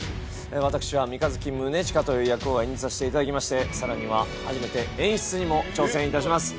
私は三日月宗近という役を演じさせていただきましてさらには初めて演出にも挑戦いたします